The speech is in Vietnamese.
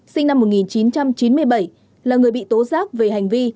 sinh năm một nghìn chín trăm chín mươi bảy là người bị tố giác về hành vi